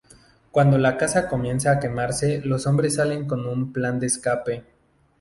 Cuando la casa comienza a quemarse, los hombres salen con un plan de escape.